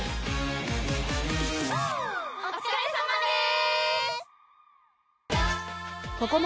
おつかれさまです！